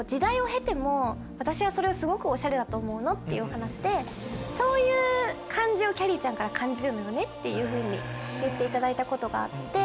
「私はそれをすごく」。っていうお話で「そういう感じをきゃりーちゃんから感じるのよね」っていうふうに言っていただいたことがあって。